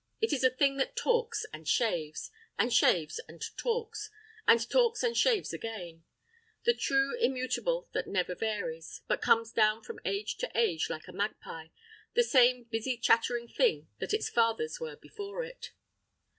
It is a thing that talks and shaves, and shaves and talks, and talks and shaves again; the true immutable that never varies, but comes down from age to age like a magpie, the same busy chattering thing that its fathers were before it.